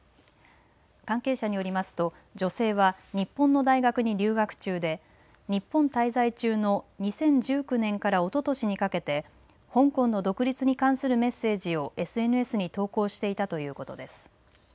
関係者によりますと、女性は日本の大学に留学中で日本滞在中の２０１９年からおととしにかけて香港の独立に関するメッセージをＳＮＳに投稿していたということです。